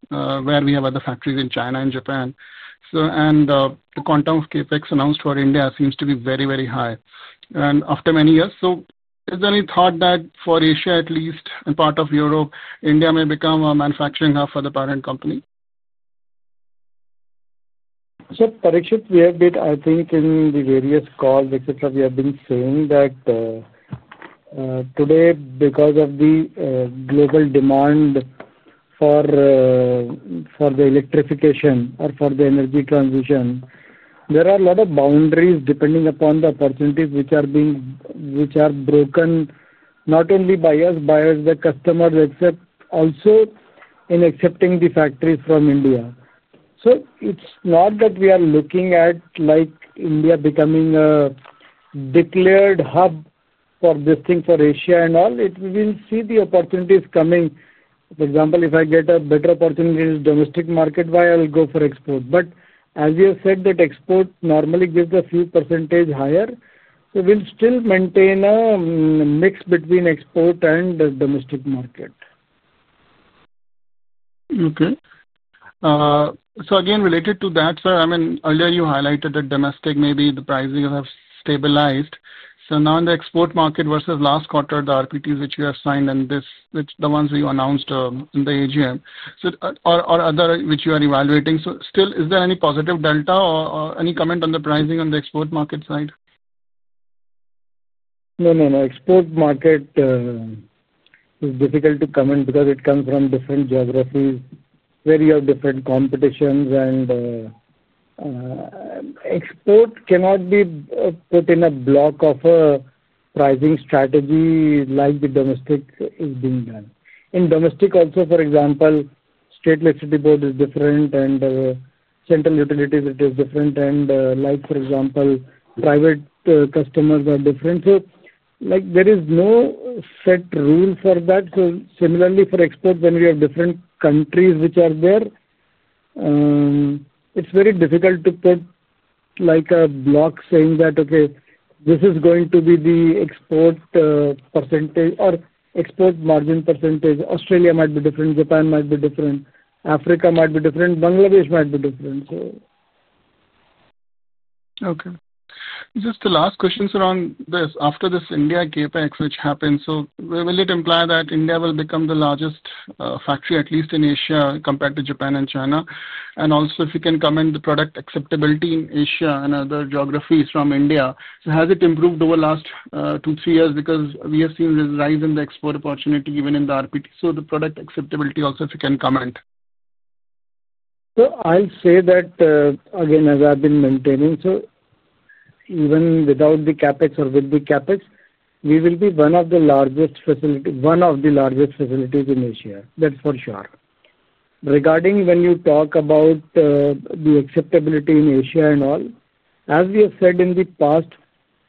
where we have other factories in China and Japan. The quantum of CapEx announced for India seems to be very, very high. After many years, is there any thought that for Asia, at least, and part of Europe, India may become a manufacturing hub for the parent company? Parikshit, we have been, I think, in the various calls, etc., we have been saying that today, because of the global demand for the electrification or for the energy transition, there are a lot of boundaries depending upon the opportunities which are broken, not only by us, the customers also in accepting the factories from India. It is not that we are looking at India becoming a declared hub for this thing for Asia and all. We will see the opportunities coming. For example, if I get a better opportunity in the domestic market, I will go for export. As you said, export normally gives a few percentage higher. We will still maintain a mix between export and domestic market. Okay. Again, related to that, sir, I mean, earlier you highlighted that domestic, maybe the pricing has stabilized. Now in the export market versus last quarter, the RPTs which you have signed and the ones you announced in the AGM, or other which you are evaluating, is there still any positive delta or any comment on the pricing on the export market side? No, no, no. Export market is difficult to comment because it comes from different geographies where you have different competitions. Export cannot be put in a block of a pricing strategy like the domestic is being done. In domestic also, for example, state electricity board is different, and central utilities, it is different. For example, private customers are different. There is no set rule for that. Similarly, for export, when we have different countries which are there, it is very difficult to put a block saying that, "Okay, this is going to be the export percentage or export margin percentage." Australia might be different. Japan might be different. Africa might be different. Bangladesh might be different. Okay. Just the last question, sir, on this. After this India CapEx which happened, will it imply that India will become the largest factory, at least in Asia, compared to Japan and China? Also, if you can comment on the product acceptability in Asia and other geographies from India, has it improved over the last two, three years? Because we have seen this rise in the export opportunity even in the RPT. The product acceptability also, if you can comment. I'll say that, again, as I've been maintaining. Even without the CapEx or with the CapEx, we will be one of the largest facilities, one of the largest facilities in Asia. That's for sure. Regarding when you talk about the acceptability in Asia and all, as we have said in the past,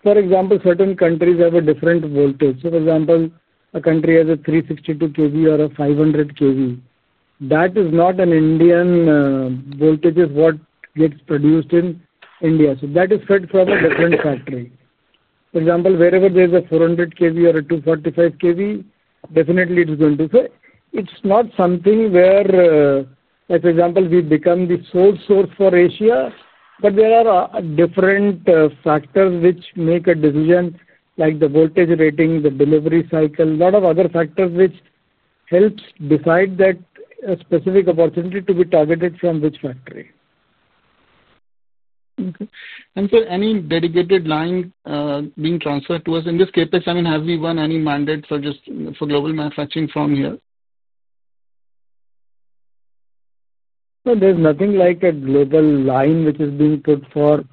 for example, certain countries have a different voltage. For example, a country has a 362 kV or a 500 kV. That is not an Indian voltage, is what gets produced in India. So that is fed from a different factory. For example, wherever there is a 400 kV or a 245 kV, definitely it's going to fit. It's not something where, as for example, we become the sole source for Asia, but there are different factors which make a decision, like the voltage rating, the delivery cycle, a lot of other factors which help decide that a specific opportunity to be targeted from which factory. Okay. Any dedicated line being transferred to us? In this CapEx, I mean, have we won any mandates for global manufacturing from here? There is nothing like a global line which is being put for,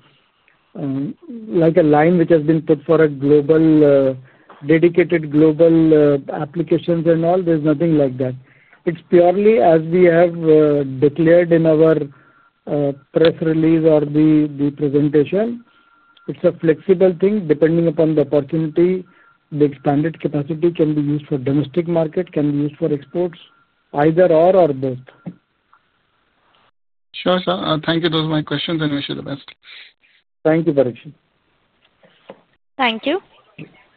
like a line which has been put for a global, dedicated global applications and all. There is nothing like that. It is purely, as we have declared in our press release or the presentation, it is a flexible thing. Depending upon the opportunity, the expanded capacity can be used for domestic market, can be used for exports, either/or or both. Sure, sir. Thank you. Those are my questions, and I wish you the best. Thank you, Parikshit. Thank you.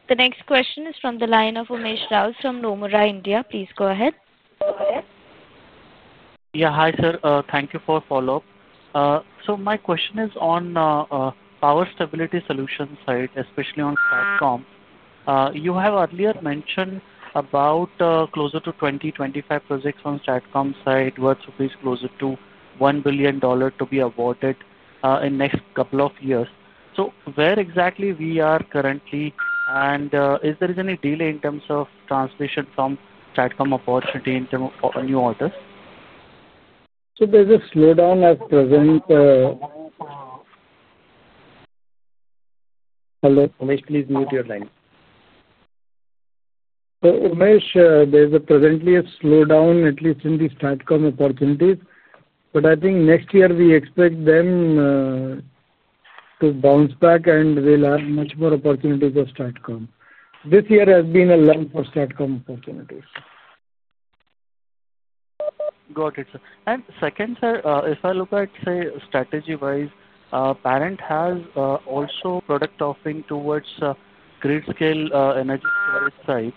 The next question is from the line of Umesh Raut from Nomura, India. Please go ahead. Yeah, hi, sir. Thank you for following up. My question is on the power stability solution side, especially on STATCOM. You have earlier mentioned about closer to 2025 projects on the STATCOM side, where supplies closer to $1 billion to be awarded in the next couple of years. Where exactly are we currently, and is there any delay in terms of transmission from the STATCOM opportunity in terms of new orders? There's a slowdown at present. Hello. Umesh, please mute your line. Umesh, there's presently a slowdown, at least in the STATCOM opportunities. I think next year, we expect them to bounce back, and we'll have much more opportunities for STATCOM. This year has been a lull for STATCOM opportunities. Got it, sir. Second, sir, if I look at, say, strategy-wise, parent has also product offering towards grid-scale energy storage side.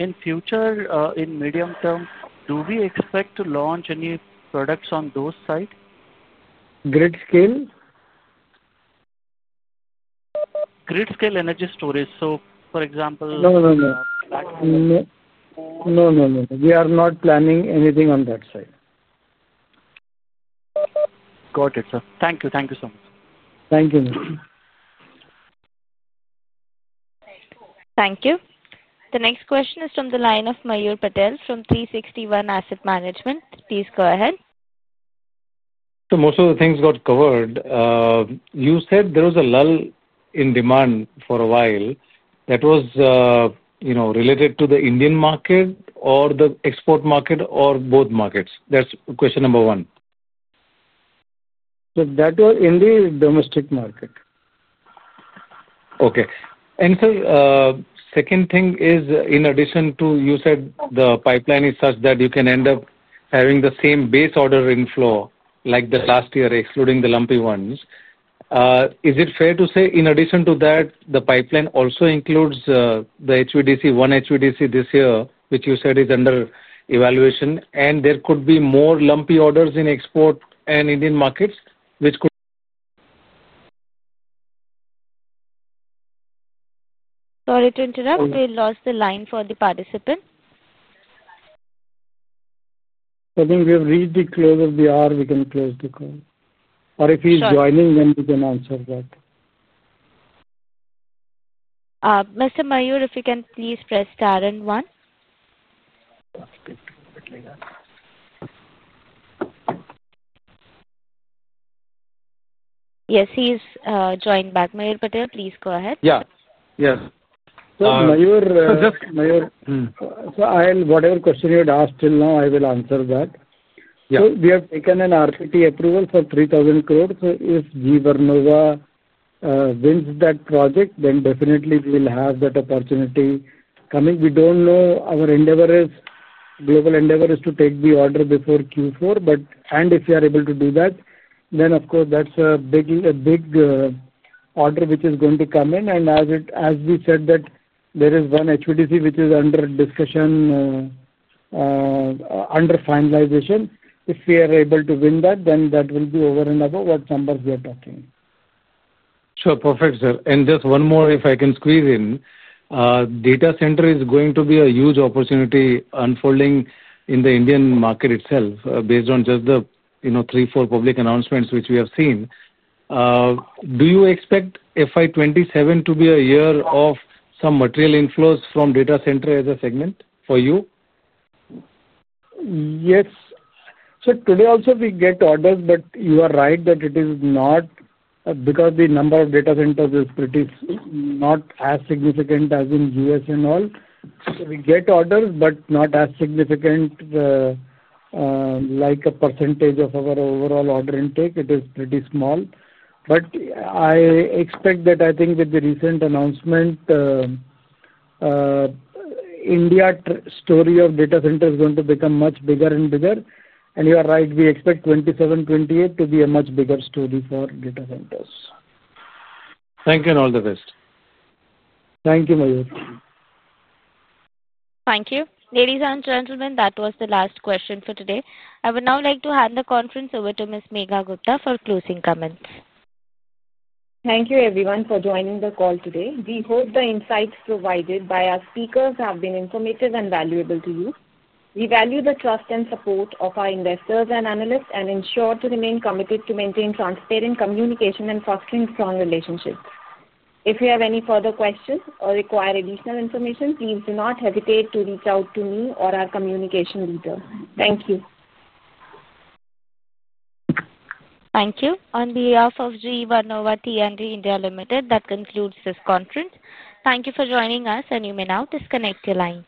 In future, in medium term, do we expect to launch any products on those side? Grid-scale? Grid-scale energy storage. For example. No, no, no. We are not planning anything on that side. Got it, sir. Thank you. Thank you so much. Thank you, sir. Thank you. The next question is from the line of Mayur Patel from 360 One Asset Management. Please go ahead. Most of the things got covered. You said there was a lull in demand for a while. That was related to the Indian market or the export market or both markets? That's question number one. That was in the domestic market. Okay. And sir, second thing is, in addition to, you said the pipeline is such that you can end up having the same base order inflow like the last year, excluding the lumpy ones. Is it fair to say, in addition to that, the pipeline also includes the HVDC, one HVDC this year, which you said is under evaluation, and there could be more lumpy orders in export and Indian markets which could. Sorry to interrupt. We lost the line for the participant. I think we have reached the close of the hour. We can close the call. Or if he's joining, then we can answer that. Mr. Mayur, if you can please press star and one. Yes, he's joined back. Mayur Patel, please go ahead. Yeah. Yes. So Mayur. So just. Whatever question you had asked till now, I will answer that. We have taken an RPT approval for 3,000 crore. If GE Vernova wins that project, then definitely we'll have that opportunity coming. We don't know. Our endeavor is, global endeavor is to take the order before Q4. If we are able to do that, then of course, that's a big order which is going to come in. As we said, there is one HVDC which is under discussion, under finalization. If we are able to win that, then that will be over and above what numbers we are talking. Sure. Perfect, sir. And just one more, if I can squeeze in. Data center is going to be a huge opportunity unfolding in the Indian market itself, based on just the three, four public announcements which we have seen. Do you expect FY 2027 to be a year of some material inflows from data center as a segment for you? Yes. Today also, we get orders, but you are right that it is not, because the number of data centers is pretty not as significant as in the U.S. and all. We get orders, but not as significant, like a percentage of our overall order intake. It is pretty small. I expect that, I think with the recent announcement, India story of data center is going to become much bigger and bigger. You are right. We expect 2027, 2028 to be a much bigger story for data centers. Thank you and all the best. Thank you, Mayur. Thank you. Ladies and gentlemen, that was the last question for today. I would now like to hand the conference over to Ms. Megha Gupta for closing comments. Thank you, everyone, for joining the call today. We hope the insights provided by our speakers have been informative and valuable to you. We value the trust and support of our investors and analysts and ensure to remain committed to maintain transparent communication and fostering strong relationships. If you have any further questions or require additional information, please do not hesitate to reach out to me or our Communications Leader. Thank you. Thank you. On behalf of GE Vernova T&D India Limited, that concludes this conference. Thank you for joining us, and you may now disconnect your line.